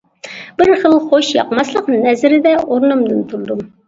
بىر خىل خوش ياقماسلىق نەزىرىدە ئورنۇمدىن تۇردۇم.